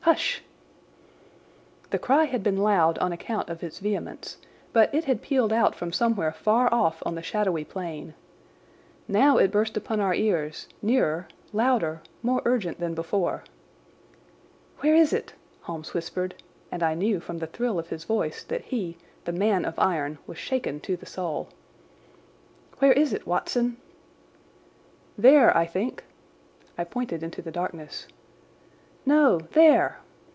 "Hush!" The cry had been loud on account of its vehemence, but it had pealed out from somewhere far off on the shadowy plain. Now it burst upon our ears, nearer, louder, more urgent than before. "Where is it?" Holmes whispered; and I knew from the thrill of his voice that he, the man of iron, was shaken to the soul. "Where is it, Watson?" "There, I think." I pointed into the darkness. "No, there!"